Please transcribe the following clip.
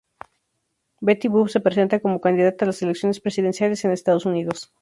Betty Boop se presenta como candidata a las Elecciones presidenciales en Estados Unidos.